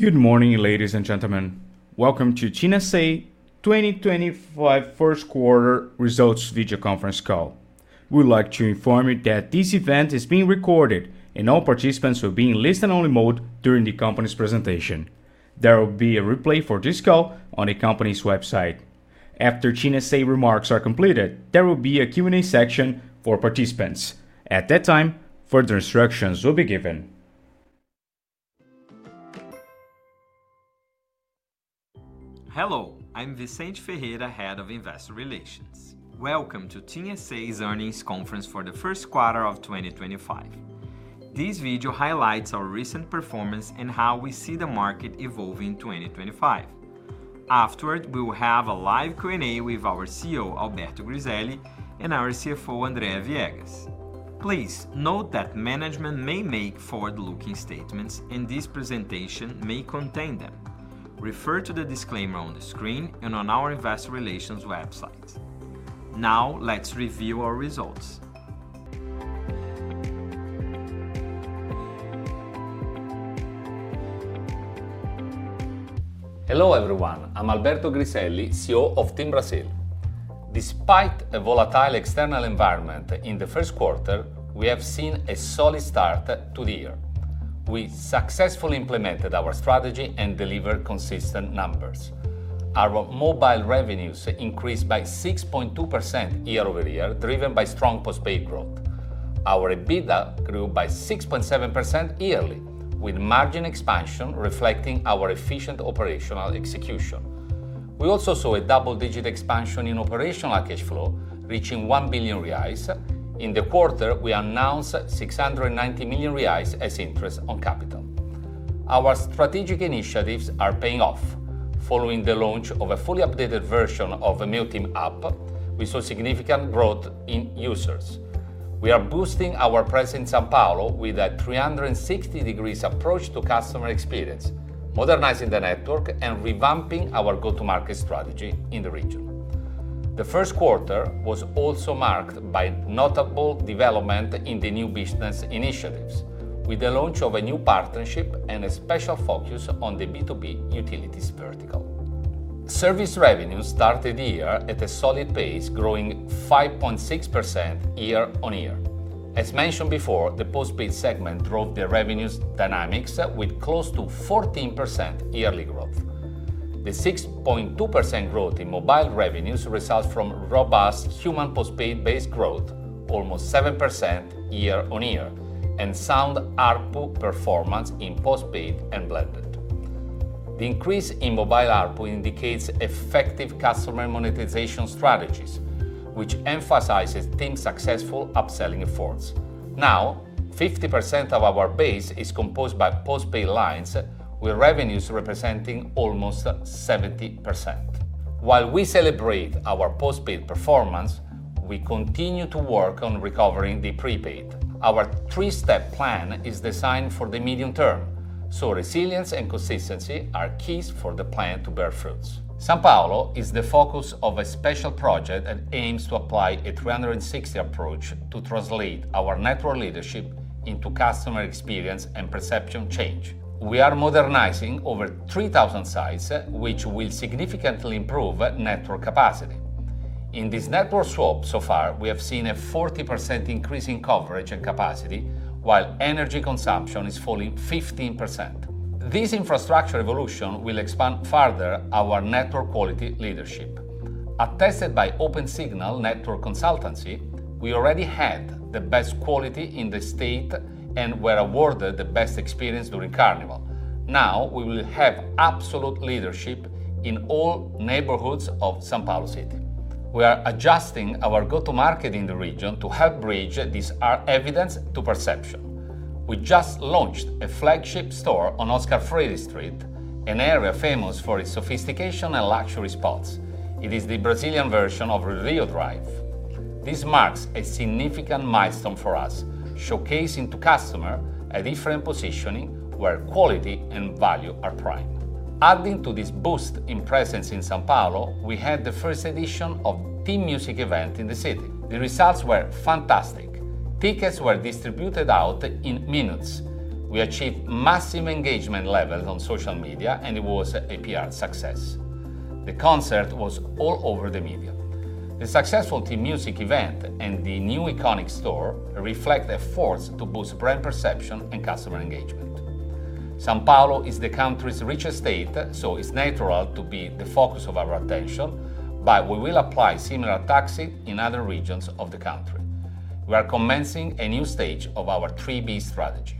Good morning, ladies and gentlemen. Welcome to TIM SA. 2025 First Quarter Results Video Conference Call. We would like to inform you that this event is being recorded, and all participants will be in listen-only mode during the company's presentation. There will be a replay for this call on the company's website. After TIM SA. remarks are completed, there will be a Q&A section for participants. At that time, further instructions will be given. Hello, I'm Vicente Ferreira, Head of Investor Relations. Welcome to TIM S.A.'s Earnings Conference for the First Quarter of 2025. This video highlights our recent performance and how we see the market evolving in 2025. Afterward, we will have a live Q&A with our CEO, Alberto Griselli, and our CFO, Andrea Viegas. Please note that management may make forward-looking statements, and this presentation may contain them. Refer to the disclaimer on the screen and on our investor relations website. Now, let's review our results. Hello everyone, I'm Alberto Griselli, CEO of TIM Brasil. Despite a volatile external environment in the first quarter, we have seen a solid start to the year. We successfully implemented our strategy and delivered consistent numbers. Our mobile revenues increased by 6.2% year-over-year, driven by strong postpaid growth. Our EBITDA grew by 6.7% yearly, with margin expansion reflecting our efficient operational execution. We also saw a double-digit expansion in operational cash flow, reaching 1 billion reais. In the quarter, we announced 690 million reais as interest on capital. Our strategic initiatives are paying off. Following the launch of a fully updated version of the MEU TIM app, we saw significant growth in users. We are boosting our presence in São Paulo with a 360° approach to customer experience, modernizing the network and revamping our go-to-market strategy in the region. The first quarter was also marked by notable developments in the new business initiatives, with the launch of a new partnership and a special focus on the B2B utilities vertical. Service revenues started the year at a solid pace, growing 5.6% year on year. As mentioned before, the postpaid segment drove the revenues dynamics, with close to 14% yearly growth. The 6.2% growth in mobile revenues results from robust human postpaid-based growth, almost 7% year on year, and sound ARPU performance in postpaid and blended. The increase in mobile ARPU indicates effective customer monetization strategies, which emphasizes TIM's successful upselling efforts. Now, 50% of our base is composed by postpaid lines, with revenues representing almost 70%. While we celebrate our postpaid performance, we continue to work on recovering the prepaid. Our three-step plan is designed for the medium term, so resilience and consistency are keys for the plan to bear fruits. São Paulo is the focus of a special project that aims to apply a 360° approach to translate our network leadership into customer experience and perception change. We are modernizing over 3,000 sites, which will significantly improve network capacity. In this network swap so far, we have seen a 40% increase in coverage and capacity, while energy consumption is falling 15%. This infrastructure evolution will expand further our network quality leadership. Attested by Opensignal Network Consultancy, we already had the best quality in the state and were awarded the best experience during Carnival. Now, we will have absolute leadership in all neighborhoods of São Paulo City. We are adjusting our go-to-market in the region to help bridge this evidence to perception. We just launched a flagship store on Oscar Freire Street, an area famous for its sophistication and luxury spots. It is the Brazilian version of Rio Drive. This marks a significant milestone for us, showcasing to customers a different positioning where quality and value are prime. Adding to this boost in presence in São Paulo, we had the first edition of the TIM Music event in the city. The results were fantastic. Tickets were distributed out in minutes. We achieved massive engagement levels on social media, and it was a PR success. The concert was all over the media. The successful TIM Music event and the new iconic store reflect efforts to boost brand perception and customer engagement. São Paulo is the country's richest state, so it is natural to be the focus of our attention, but we will apply similar tactics in other regions of the country. We are commencing a new stage of our 3B strategy.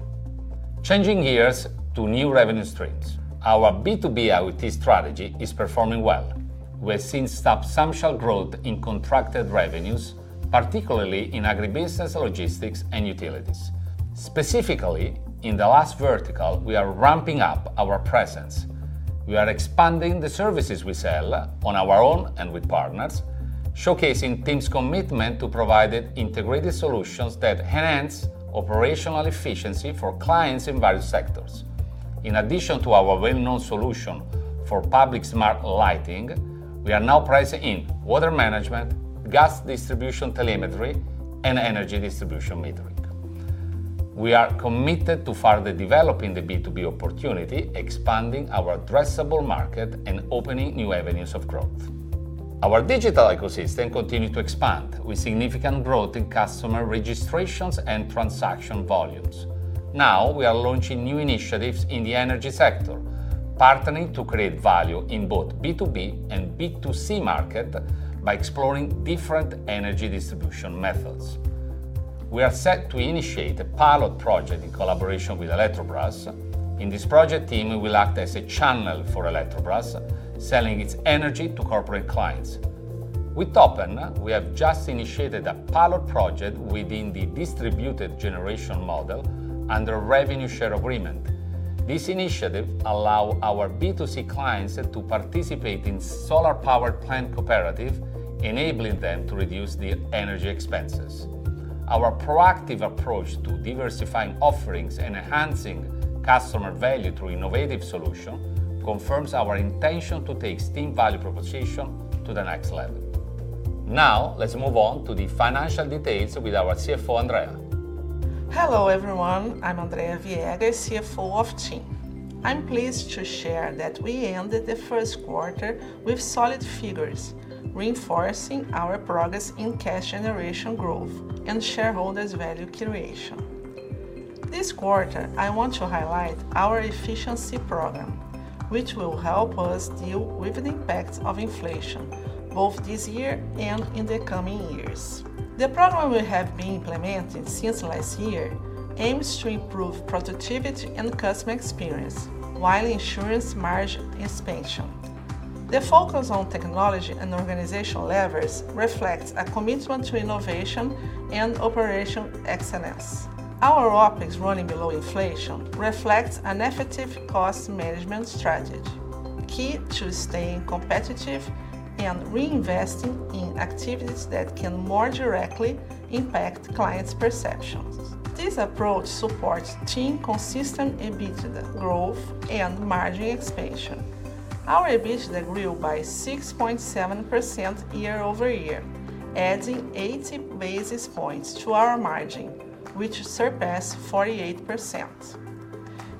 Changing gears to new revenue streams, our B2B IoT strategy is performing well. We have seen substantial growth in contracted revenues, particularly in agribusiness, logistics, and utilities. Specifically, in the last vertical, we are ramping up our presence. We are expanding the services we sell on our own and with partners, showcasing TIM's commitment to provide integrated solutions that enhance operational efficiency for clients in various sectors. In addition to our well-known solution for public smart lighting, we are now pricing in water management, gas distribution telemetry, and energy distribution metering. We are committed to further developing the B2B opportunity, expanding our addressable market and opening new avenues of growth. Our digital ecosystem continues to expand, with significant growth in customer registrations and transaction volumes. Now, we are launching new initiatives in the energy sector, partnering to create value in both B2B and B2C markets by exploring different energy distribution methods. We are set to initiate a pilot project in collaboration with Eletrobras. In this project, TIM will act as a channel for Eletrobras, selling its energy to corporate clients. With Toppen, we have just initiated a pilot project within the distributed generation model under a revenue share agreement. This initiative allows our B2C clients to participate in solar-powered plant cooperatives, enabling them to reduce their energy expenses. Our proactive approach to diversifying offerings and enhancing customer value through innovative solutions confirms our intention to take TIM value proposition to the next level. Now, let's move on to the financial details with our CFO, Andrea. Hello everyone, I'm Andrea Viegas, CFO of TIM. I'm pleased to share that we ended the first quarter with solid figures, reinforcing our progress in cash generation growth and shareholders' value creation. This quarter, I want to highlight our efficiency program, which will help us deal with the impacts of inflation both this year and in the coming years. The program we have been implementing since last year aims to improve productivity and customer experience while ensuring margin expansion. The focus on technology and organizational levers reflects a commitment to innovation and operational excellence. Our OpEx running below inflation reflects an effective cost management strategy, key to staying competitive and reinvesting in activities that can more directly impact clients' perceptions. This approach supports TIM's consistent EBITDA growth and margin expansion. Our EBITDA grew by 6.7% year-over-year, adding 80 basis points to our margin, which surpassed 48%.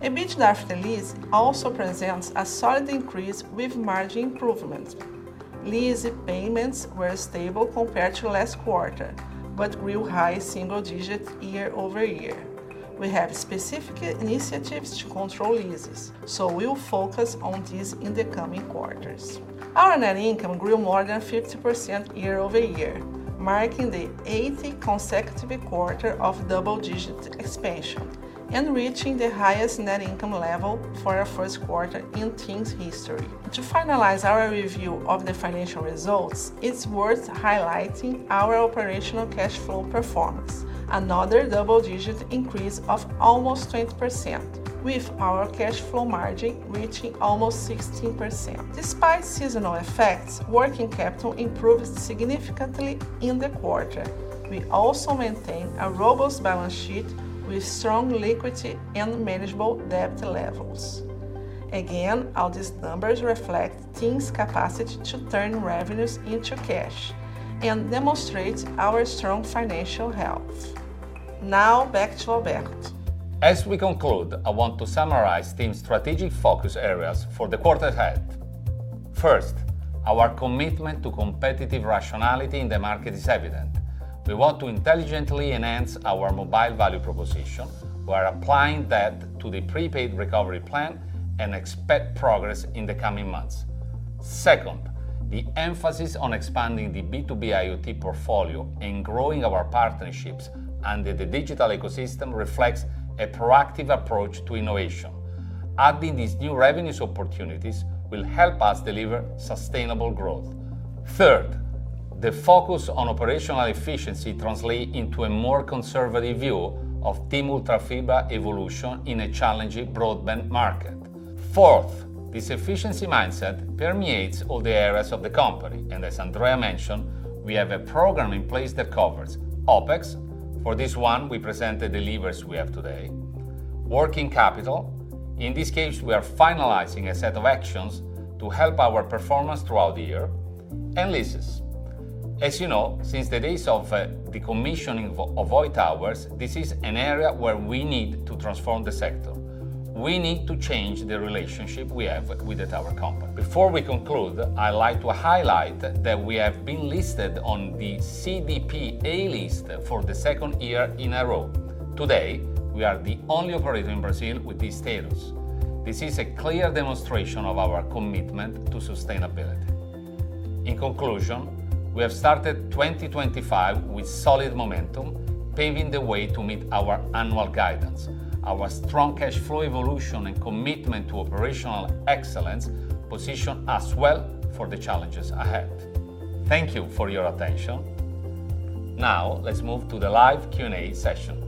EBITDA after lease also presents a solid increase with margin improvement. Lease payments were stable compared to last quarter, but grew high single digits year-over-year. We have specific initiatives to control leases, so we'll focus on these in the coming quarters. Our net income grew more than 50% year-over-year, marking the eighth consecutive quarter of double-digit expansion and reaching the highest net income level for our first quarter in TIM's history. To finalize our review of the financial results, it's worth highlighting our operational cash flow performance, another double-digit increase of almost 20%, with our cash flow margin reaching almost 16%. Despite seasonal effects, working capital improved significantly in the quarter. We also maintain a robust balance sheet with strong liquidity and manageable debt levels. Again, all these numbers reflect TIM's capacity to turn revenues into cash and demonstrate our strong financial health. Now, back to Alberto. As we conclude, I want to summarize TIM's strategic focus areas for the quarter ahead. First, our commitment to competitive rationality in the market is evident. We want to intelligently enhance our mobile value proposition. We are applying that to the prepaid recovery plan and expect progress in the coming months. Second, the emphasis on expanding the B2B IoT portfolio and growing our partnerships under the digital ecosystem reflects a proactive approach to innovation. Adding these new revenue opportunities will help us deliver sustainable growth. Third, the focus on operational efficiency translates into a more conservative view of TIM Ultrafib evolution in a challenging broadband market. Fourth, this efficiency mindset permeates all the areas of the company. As Andrea mentioned, we have a program in place that covers OpEx. For this one, we presented the levers we have today. Working capital, in this case, we are finalizing a set of actions to help our performance throughout the year. Leases. As you know, since the days of the commissioning of Voight Towers, this is an area where we need to transform the sector. We need to change the relationship we have with the tower company. Before we conclude, I'd like to highlight that we have been listed on the CDP A-list for the second year in a row. Today, we are the only operator in Brazil with this status. This is a clear demonstration of our commitment to sustainability. In conclusion, we have started 2025 with solid momentum, paving the way to meet our annual guidance. Our strong cash flow evolution and commitment to operational excellence position us well for the challenges ahead. Thank you for your attention. Now, let's move to the live Q&A session.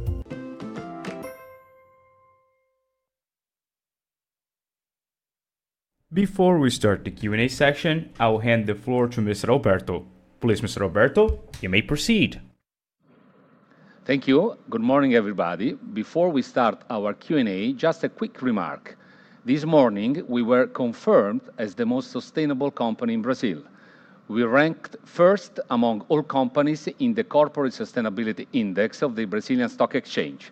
Before we start the Q&A session, I will hand the floor to Mr. Alberto. Please, Mr. Alberto, you may proceed. Thank you. Good morning, everybody. Before we start our Q&A, just a quick remark. This morning, we were confirmed as the most sustainable company in Brazil. We ranked first among all companies in the Corporate Sustainability Index of the Brazilian Stock Exchange.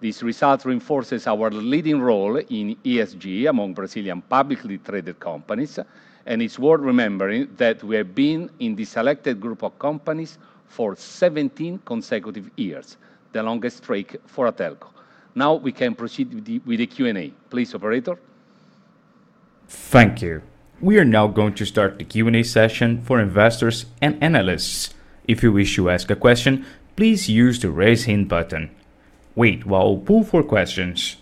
This result reinforces our leading role in ESG among Brazilian publicly traded companies and is worth remembering that we have been in the selected group of companies for 17 consecutive years, the longest streak for a telco. Now, we can proceed with the Q&A. Please, Operator. Thank you. We are now going to start the Q&A session for investors and analysts. If you wish to ask a question, please use the raise hand button. Wait while we pull for questions.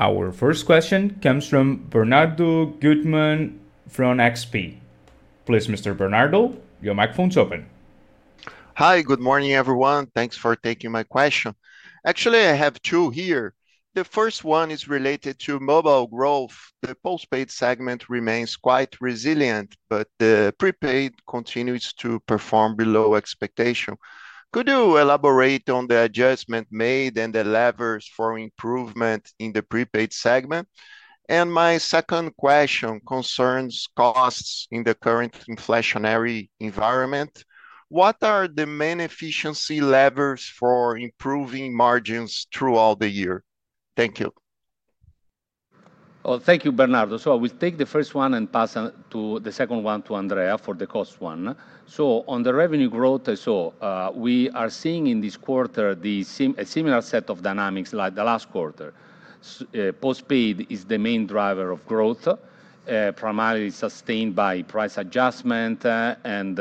Our first question comes from Bernardo Guttmann from XP. Please, Mr. Bernardo, your microphone is open. Hi, good morning, everyone. Thanks for taking my question. Actually, I have two here. The first one is related to mobile growth. The postpaid segment remains quite resilient, but the prepaid continues to perform below expectation. Could you elaborate on the adjustment made and the levers for improvement in the prepaid segment? My second question concerns costs in the current inflationary environment. What are the main efficiency levers for improving margins throughout the year? Thank you. Thank you, Bernardo. I will take the first one and pass the second one to Andrea for the cost one. On the revenue growth, we are seeing in this quarter a similar set of dynamics like the last quarter. Postpaid is the main driver of growth, primarily sustained by price adjustment and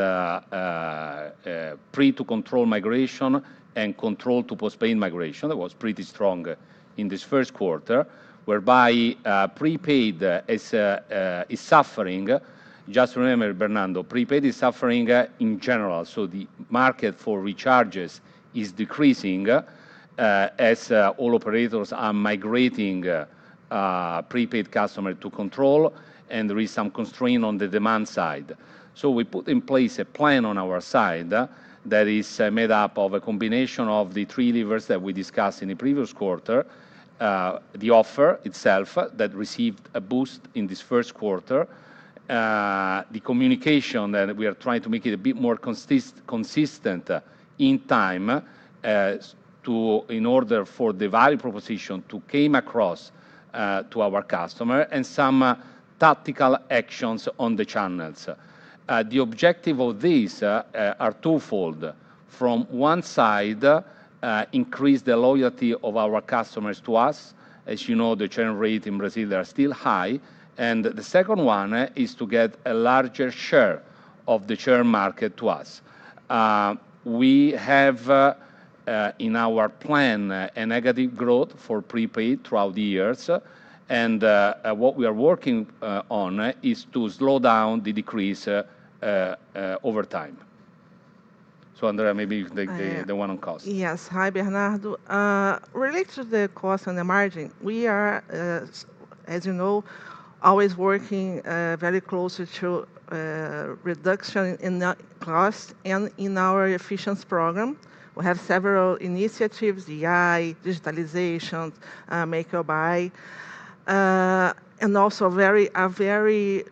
pre-to-control migration and control-to-postpaid migration. That was pretty strong in this first quarter, whereby prepaid is suffering. Just remember, Bernardo, prepaid is suffering in general. The market for recharges is decreasing as all operators are migrating prepaid customers to control, and there is some constraint on the demand side. We put in place a plan on our side that is made up of a combination of the three levers that we discussed in the previous quarter, the offer itself that received a boost in this first quarter, the communication that we are trying to make a bit more consistent in time in order for the value proposition to come across to our customer, and some tactical actions on the channels. The objective of these are twofold. From one side, increase the loyalty of our customers to us. As you know, the churn rate in Brazil is still high. The second one is to get a larger share of the churn market to us. We have in our plan a negative growth for prepaid throughout the years. What we are working on is to slow down the decrease over time. Andrea, maybe you can take the one on cost. Yes. Hi, Bernardo. Related to the cost and the margin, we are, as you know, always working very closely to reduction in cost and in our efficiency program. We have several initiatives: EI, digitalization, Make Your Buy, and also a very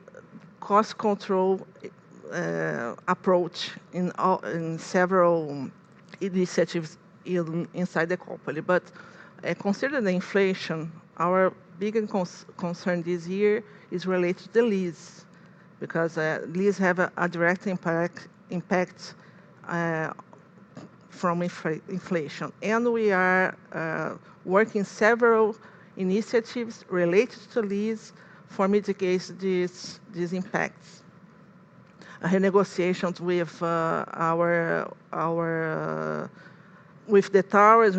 cost control approach in several initiatives inside the company. Considering the inflation, our biggest concern this year is related to the lease because lease have a direct impact from inflation. We are working on several initiatives related to lease for mitigating these impacts. Negotiations with the towers,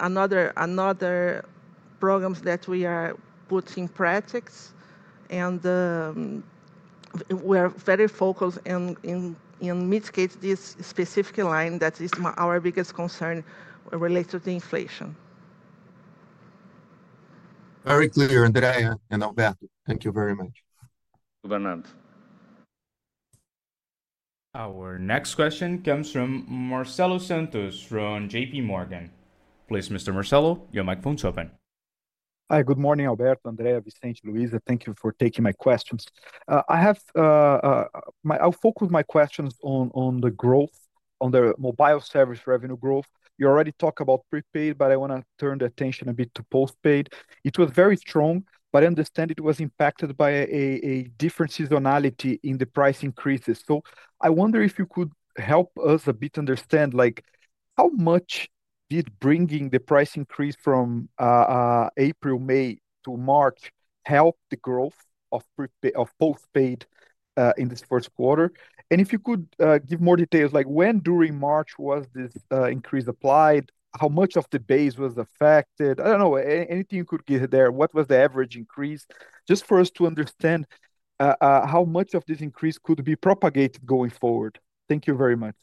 another program that we are putting in practice. We are very focused on mitigating this specific line that is our biggest concern related to inflation. Very clear, Andrea and Alberto. Thank you very much. Bernardo. Our next question comes from Marcelo Santos from JP. Morgan. Please, Mr. Marcelo, your microphone is open. Hi, good morning, Alberto, Andrea, Vicente, Luiza. Thank you for taking my questions. I'll focus my questions on the growth, on the mobile service revenue growth. You already talked about prepaid, but I want to turn the attention a bit to postpaid. It was very strong, but I understand it was impacted by a different seasonality in the price increases. I wonder if you could help us a bit understand how much did bringing the price increase from April, May to March help the growth of postpaid in this first quarter? If you could give more details, like when during March was this increase applied, how much of the base was affected? I don't know, anything you could give there. What was the average increase? Just for us to understand how much of this increase could be propagated going forward. Thank you very much.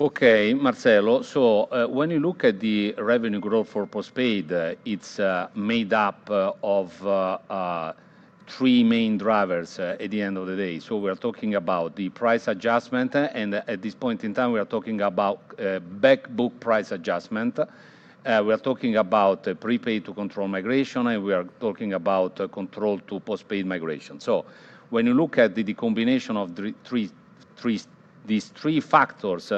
Okay, Marcelo. When you look at the revenue growth for postpaid, it's made up of three main drivers at the end of the day. We are talking about the price adjustment, and at this point in time, we are talking about backbook price adjustment. We are talking about prepaid to control migration, and we are talking about control to postpaid migration. When you look at the combination of these three factors,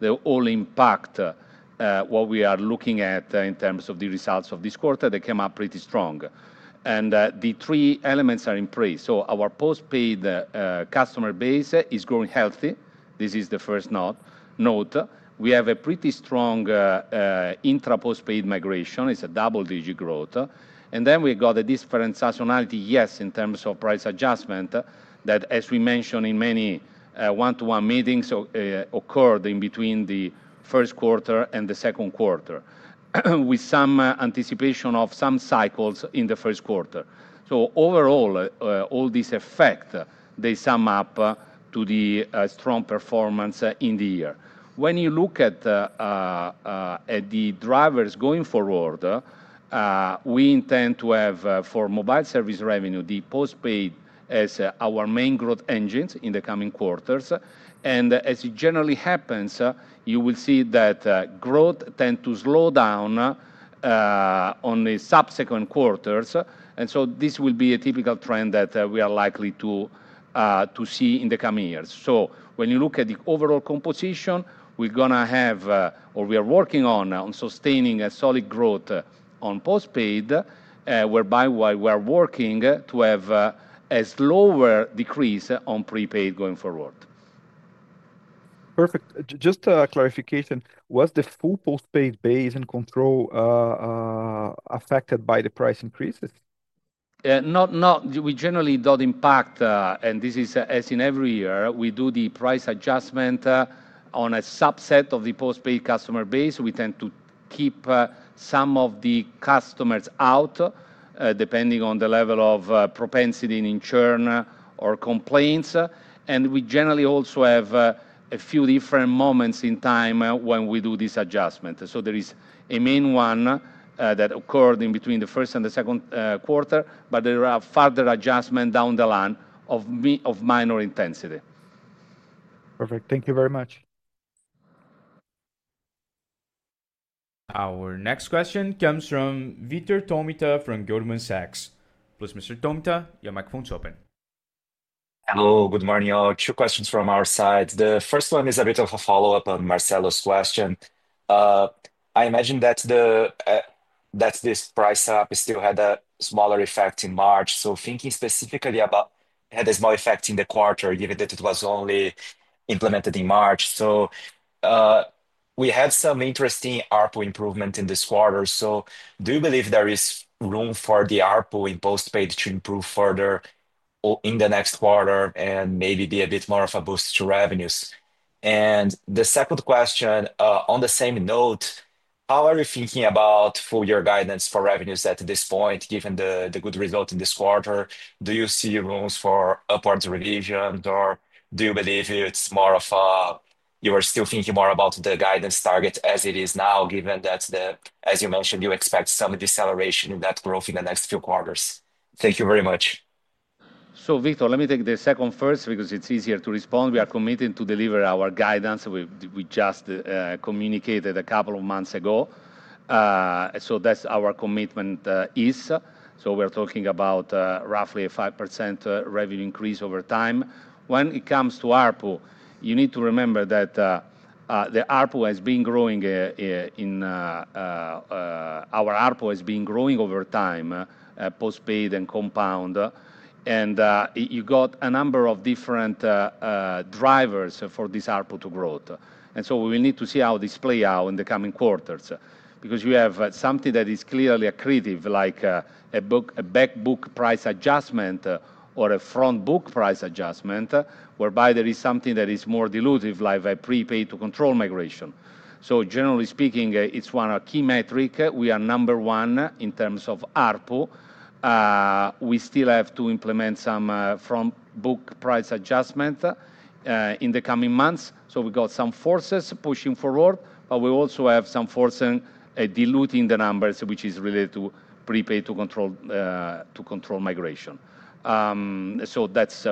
they all impact what we are looking at in terms of the results of this quarter. They came up pretty strong. The three elements are in place. Our postpaid customer base is growing healthy. This is the first note. We have a pretty strong intra postpaid migration. It's a double-digit growth. We got a different sessionality, yes, in terms of price adjustment that, as we mentioned in many one-to-one meetings, occurred in between the first quarter and the second quarter, with some anticipation of some cycles in the first quarter. Overall, all these effects, they sum up to the strong performance in the year. When you look at the drivers going forward, we intend to have for mobile service revenue, the postpaid as our main growth engines in the coming quarters. As it generally happens, you will see that growth tends to slow down on the subsequent quarters. This will be a typical trend that we are likely to see in the coming years. When you look at the overall composition, we're going to have, or we are working on, sustaining a solid growth on postpaid, whereby we are working to have a slower decrease on prepaid going forward. Perfect. Just a clarification. Was the full postpaid base and control affected by the price increases? No, we generally don't impact, and this is as in every year, we do the price adjustment on a subset of the postpaid customer base. We tend to keep some of the customers out, depending on the level of propensity in churn or complaints. We generally also have a few different moments in time when we do this adjustment. There is a main one that occurred in between the first and the second quarter, but there are further adjustments down the line of minor intensity. Perfect. Thank you very much. Our next question comes from Vitor Tomita from Goldman Sachs. Please, Mr. Tomita, your microphone is open. Hello, good morning, all. Two questions from our side. The first one is a bit of a follow up on Marcelo's question. I imagine that this price up still had a smaller effect in March. Thinking specifically about, had a small effect in the quarter, given that it was only implemented in March. We had some interesting ARPU improvement in this quarter. Do you believe there is room for the ARPU in postpaid to improve further in the next quarter and maybe be a bit more of a boost to revenues? The second question, on the same note, how are you thinking about full year guidance for revenues at this point, given the good result in this quarter? Do you see rooms for upwards revisions, or do you believe it's more of a, you are still thinking more about the guidance target as it is now, given that, as you mentioned, you expect some deceleration in that growth in the next few quarters? Thank you very much. Victor, let me take the second first because it's easier to respond. We are committed to deliver our guidance. We just communicated a couple of months ago. That's our commitment. We are talking about roughly a 5% revenue increase over time. When it comes to ARPU, you need to remember that the ARPU has been growing, our ARPU has been growing over time, postpaid and compound. You have a number of different drivers for this ARPU growth. We will need to see how this plays out in the coming quarters because you have something that is clearly accretive, like a backbook price adjustment or a frontbook price adjustment, whereby there is something that is more dilutive, like a prepaid to control migration. Generally speaking, it's one of our key metrics. We are number one in terms of ARPU. We still have to implement some frontbook price adjustment in the coming months. We got some forces pushing forward, but we also have some forces diluting the numbers, which is related to prepaid to control migration. That's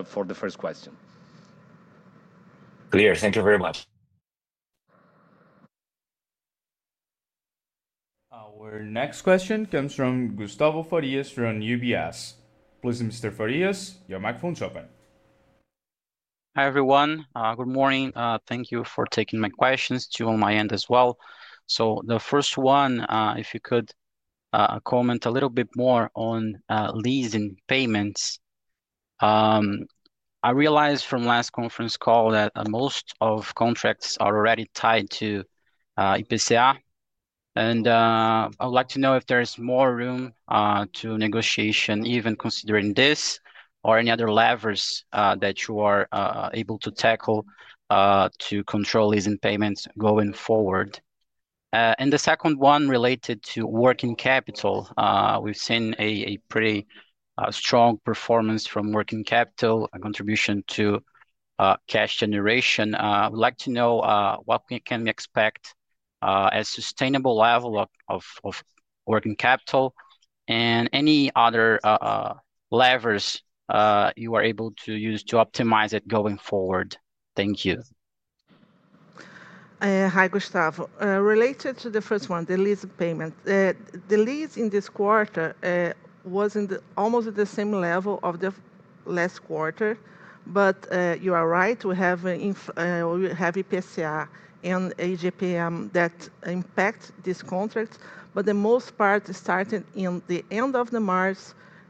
for the first question. Clear. Thank you very much. Our next question comes from Gustavo Farias from UBS. Please, Mr. Farias, your microphone is open. Hi everyone. Good morning. Thank you for taking my questions to my end as well. The first one, if you could comment a little bit more on lease and payments. I realized from last conference call that most of contracts are already tied to IPCA. I would like to know if there is more room to negotiation, even considering this or any other levers that you are able to tackle to control lease and payments going forward. The second one related to working capital. We've seen a pretty strong performance from working capital, a contribution to cash generation. I would like to know what can we expect as a sustainable level of working capital and any other levers you are able to use to optimize it going forward. Thank you. Hi, Gustavo. Related to the first one, the lease and payment. The lease in this quarter was almost at the same level of the last quarter. You are right, we have IPCA and AJPM that impact these contracts. The most part started in the end of March,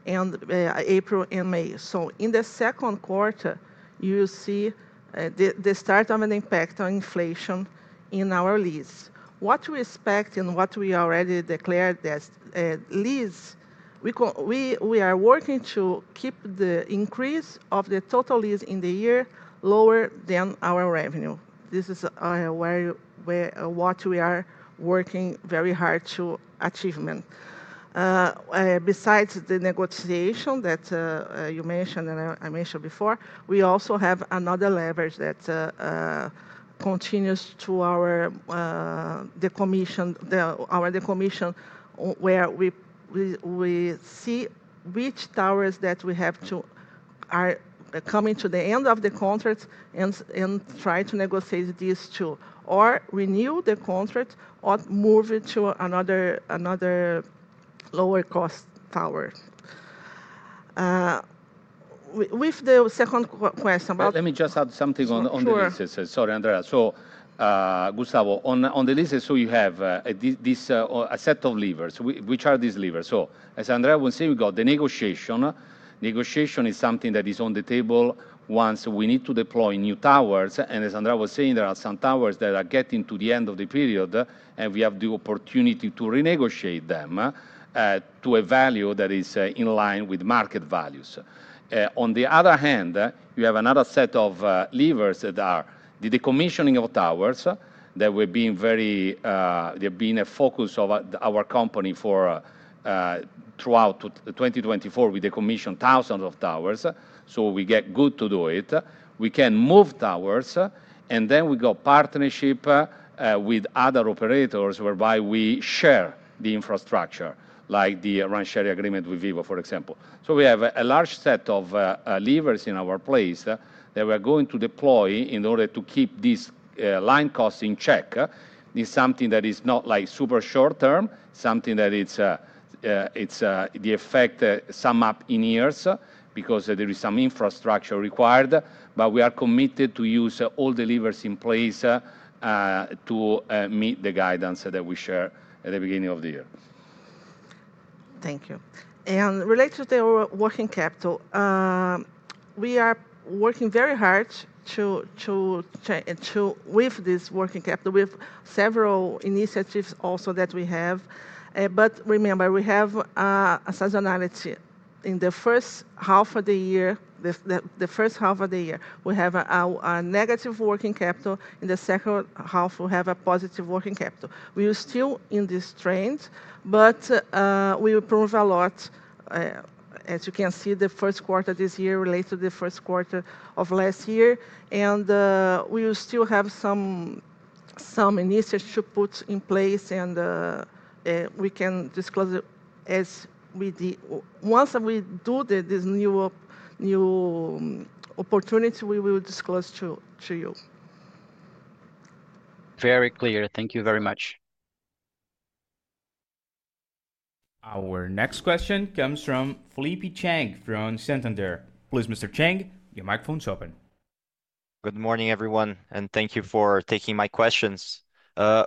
April, and May. In the second quarter, you see the start of an impact on inflation in our lease. What do we expect and what we already declared that lease, we are working to keep the increase of the total lease in the year lower than our revenue. This is what we are working very hard to achievement. Besides the negotiation that you mentioned and I mentioned before, we also have another leverage that continues to our decommission, where we see which towers that we have that are coming to the end of the contract and try to negotiate this to or renew the contract or move it to another lower cost tower. With the second question about. Let me just add something on the leases. Sorry, Andrea. Gustavo, on the leases, you have a set of levers. Which are these levers? As Andrea was saying, we got the negotiation. Negotiation is something that is on the table once we need to deploy new towers. As Andrea was saying, there are some towers that are getting to the end of the period, and we have the opportunity to renegotiate them to a value that is in line with market values. On the other hand, you have another set of levers that are the decommissioning of towers that were being very, they've been a focus of our company throughout 2024. We decommissioned thousands of towers. We get good to do it. We can move towers, and then we got partnership with other operators whereby we share the infrastructure, like the RAN sharing agreement with Vivo, for example. We have a large set of levers in our place that we are going to deploy in order to keep this line cost in check. It is something that is not like super short term, something that the effect sum up in years because there is some infrastructure required. We are committed to use all the levers in place to meet the guidance that we share at the beginning of the year. Thank you. Related to the working capital, we are working very hard with this working capital, with several initiatives also that we have. Remember, we have a seasonality in the first half of the year. The first half of the year, we have a negative working capital. In the second half, we have a positive working capital. We are still in this trend, but we improved a lot. As you can see, the first quarter this year relates to the first quarter of last year. We still have some initiatives to put in place, and we can disclose as we did. Once we do this new opportunity, we will disclose to you. Very clear. Thank you very much. Our next question comes from Felipe Chang from Santander. Please, Mr. Chang, your microphone is open. Good morning, everyone, and thank you for taking my questions.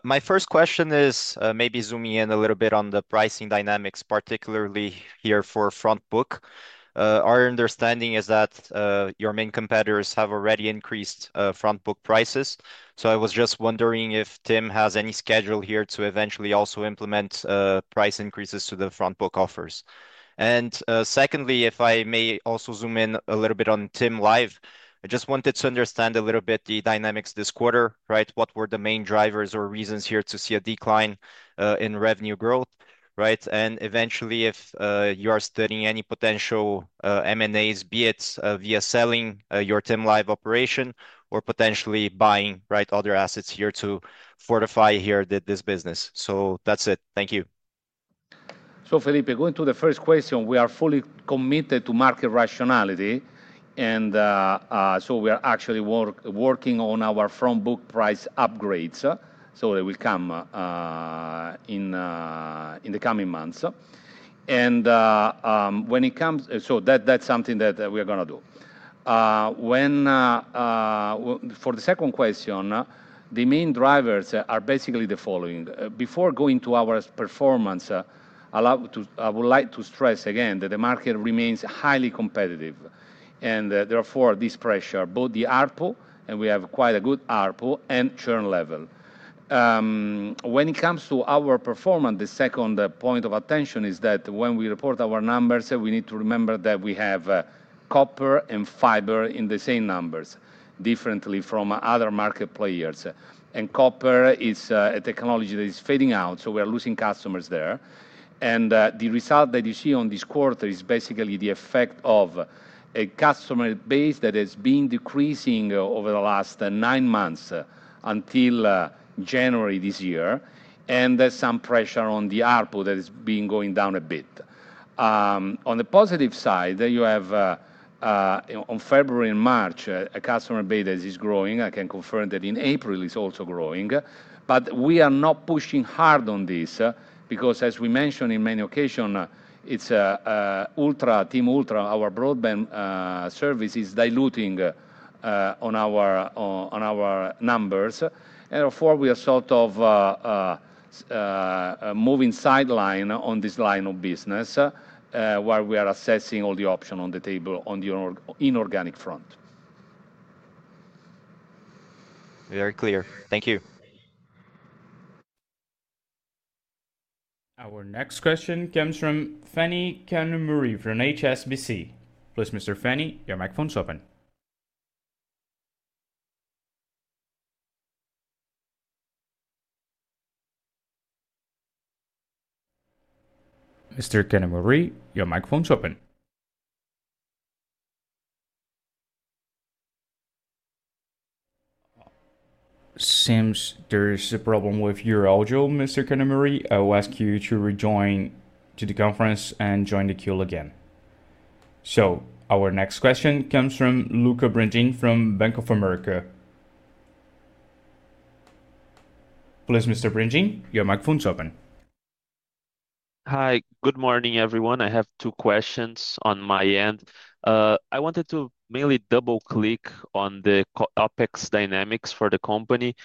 My first question is maybe zooming in a little bit on the pricing dynamics, particularly here for frontbook. Our understanding is that your main competitors have already increased frontbook prices. I was just wondering if TIM has any schedule here to eventually also implement price increases to the frontbook offers. Secondly, if I may also zoom in a little bit on TIM Live, I just wanted to understand a little bit the dynamics this quarter, right? What were the main drivers or reasons here to see a decline in revenue growth, right? Eventually, if you are studying any potential M&As, be it via selling your TIM Live operation or potentially buying other assets here to fortify here this business. That's it. Thank you. Felipe, going to the first question, we are fully committed to market rationality. We are actually working on our frontbook price upgrades. It will come in the coming months. When it comes, that is something that we are going to do. For the second question, the main drivers are basically the following. Before going to our performance, I would like to stress again that the market remains highly competitive. Therefore, this pressures both the ARPU, and we have quite a good ARPU and churn level. When it comes to our performance, the second point of attention is that when we report our numbers, we need to remember that we have copper and fiber in the same numbers, differently from other market players. Copper is a technology that is fading out, so we are losing customers there. The result that you see on this quarter is basically the effect of a customer base that has been decreasing over the last nine months until January this year. There is some pressure on the ARPU that has been going down a bit. On the positive side, you have in February and March, a customer base that is growing. I can confirm that in April it is also growing. We are not pushing hard on this because, as we mentioned on many occasions, TIM Ultrafib, our broadband service, is diluting our numbers. Therefore, we are sort of moving sideline on this line of business while we are assessing all the options on the table on the inorganic front. Very clear. Thank you. Our next question comes from Phani Kanumuri from HSBC. Please, Mr. Kanumuri, your microphone is open. Mr. Kanumuri, your microphone is open. Seems there is a problem with your audio, Mr. Kanumuri. I will ask you to rejoin to the conference and join the queue again. Our next question comes from Lucca Brendim from Bank of America. Please, Mr. Brendim, your microphone is open. Hi, good morning, everyone. I have two questions on my end. I wanted to mainly double-click on the OpEx dynamics for the company.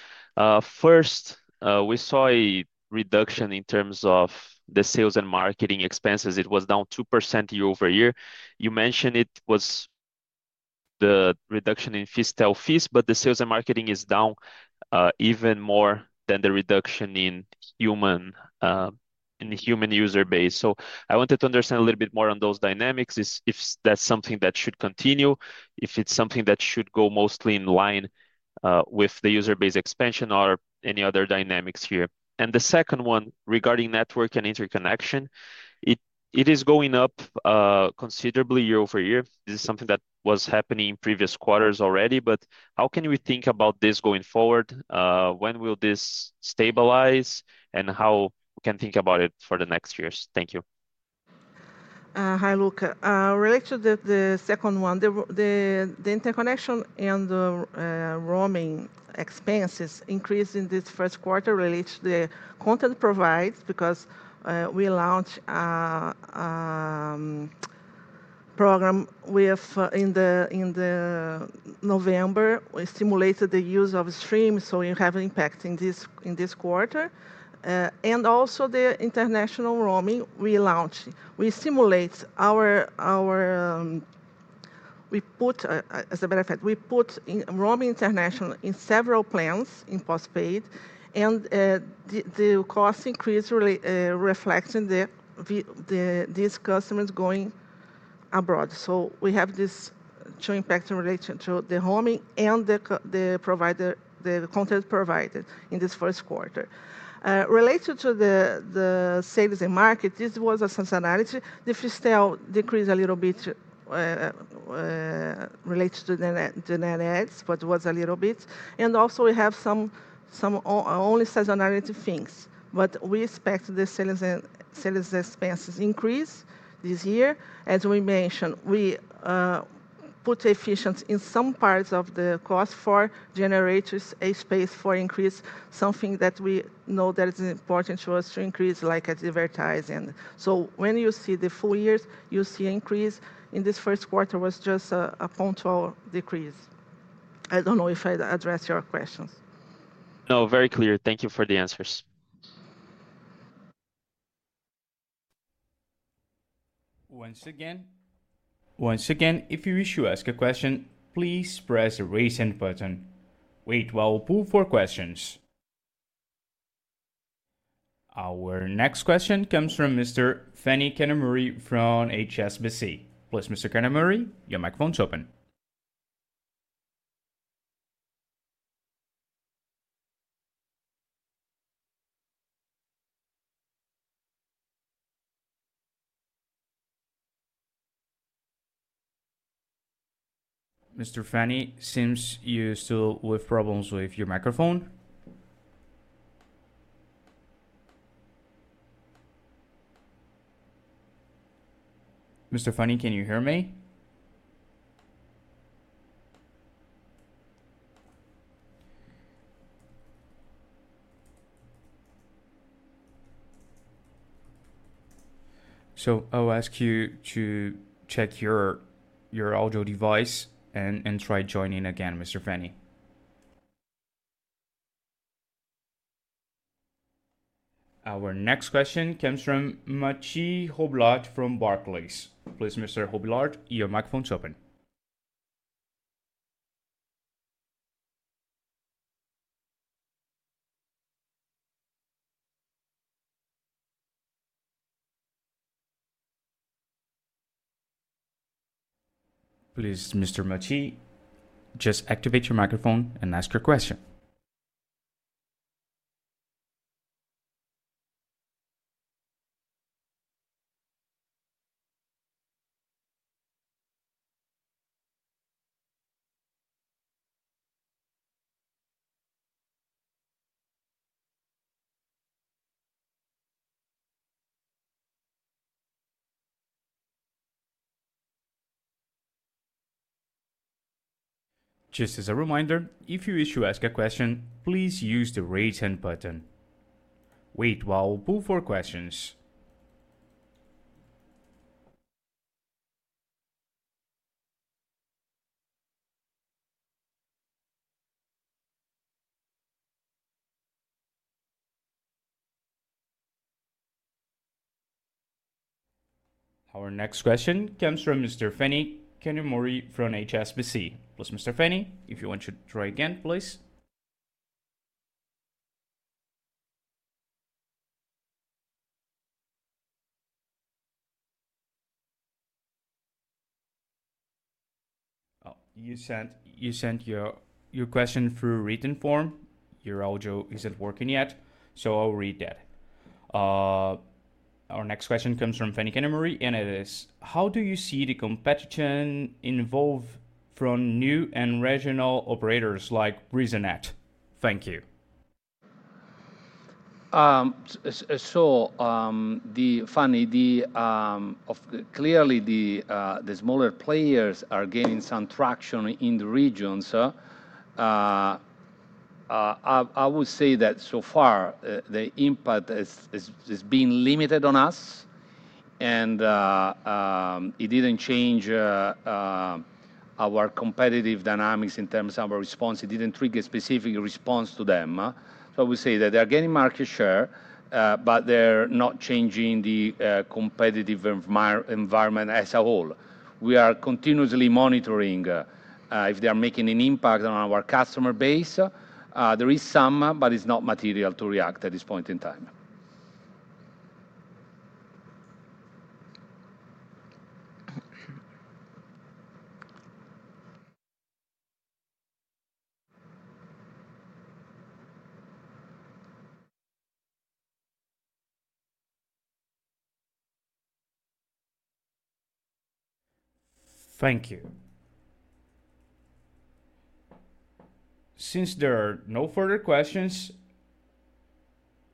First, we saw a reduction in terms of the sales and marketing expenses. It was down 2% year-over-year. You mentioned it was the reduction in fiscal fees, but the sales and marketing is down even more than the reduction in human user base. I wanted to understand a little bit more on those dynamics, if that's something that should continue, if it's something that should go mostly in line with the user base expansion or any other dynamics here. The second one regarding network and interconnection, it is going up considerably year-over-year. This is something that was happening in previous quarters already. How can we think about this going forward? When will this stabilize and how we can think about it for the next years? Thank you. Hi, Lucca. Related to the second one, the interconnection and roaming expenses increased in this first quarter related to the content provided because we launched a program in November. We stimulated the use of streams, so you have an impact in this quarter. Also, the international roaming we launched. We stimulate our roaming international in several plans in postpaid. The cost increase reflects in these customers going abroad. We have this chain impact related to the roaming and the content provided in this first quarter. Related to the sales and market, this was a seasonality. The fiscal decreased a little bit related to the net adds, but it was a little bit. Also, we have some only seasonality things. We expect the sales and expenses increase this year. As we mentioned, we put efficient in some parts of the cost for generators a space for increase, something that we know that is important to us to increase, like advertising. When you see the full years, you see increase. In this first quarter, it was just a punctual decrease. I don't know if I addressed your questions. No, very clear. Thank you for the answers. Once again, if you wish to ask a question, please press the raise hand button. Wait while we pull for questions. Our next question comes from Mr. Phani Kanumuri from HSBC. Please, Mr. Kanumuri, your microphone is open. Mr. Phani, seems you're still with problems with your microphone. Mr. Phani, can you hear me? I ask you to check your audio device and try joining again, Mr. Phani. Our next question comes from Machie Robillard from Barclays. Please, Mr. Robillard, your microphone is open. Please, Mr. Machie, just activate your microphone and ask your question. Just as a reminder, if you wish to ask a question, please use the raise hand button. Wait while we pull for questions. Our next question comes from Mr. Phani Kanumuri from HSBC. Please, Mr. Phani, if you want to try again, please. You sent your question through written form. Your audio is not working yet, so I will read that. Our next question comes from Phani Kanumuri, and it is, how do you see the competition involved from new and regional operators like RiseNet? Thank you. Phani, clearly the smaller players are gaining some traction in the regions. I would say that so far, the impact has been limited on us, and it did not change our competitive dynamics in terms of our response. It did not trigger specific response to them. I would say that they are gaining market share, but they are not changing the competitive environment as a whole. We are continuously monitoring if they are making an impact on our customer base. There is some, but it is not material to react at this point in time. Thank you. Since there are no further questions,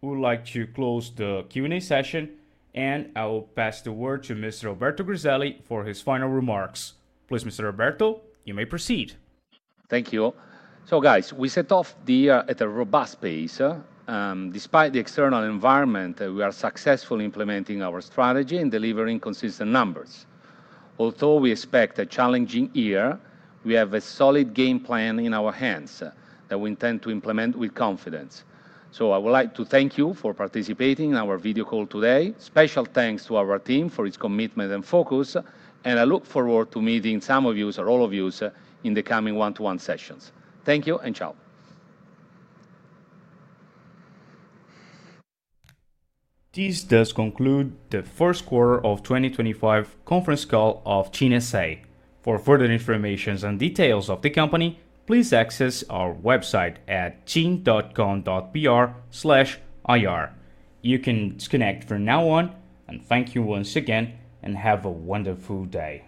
we would like to close the Q&A session, and I will pass the word to Mr. Alberto Griselli for his final remarks. Please, Mr. Alberto, you may proceed. Thank you. Guys, we set off the year at a robust pace. Despite the external environment, we are successfully implementing our strategy and delivering consistent numbers. Although we expect a challenging year, we have a solid game plan in our hands that we intend to implement with confidence. I would like to thank you for participating in our video call today. Special thanks to our team for its commitment and focus, and I look forward to meeting some of you or all of you in the coming one-to-one sessions. Thank you and ciao. This does conclude the First Quarter of 2025 Conference all of TIM S.A. For further information and details of the company, please access our website at tim.com.br/ir. You can disconnect from now on, and thank you once again, and have a wonderful day.